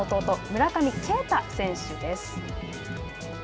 村上慶太選手です。